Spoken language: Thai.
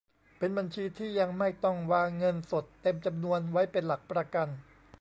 เป็นบัญชีที่ยังไม่ต้องวางเงินสดเต็มจำนวนไว้เป็นหลักประกัน